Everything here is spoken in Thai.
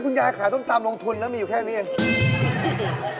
สั่งไม่หนักมาสุดตรงนี้สั่งหนักมานี่ลูก